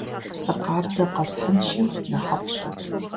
Псы къабзэ къэсхьынщи нэхъыфӀщ.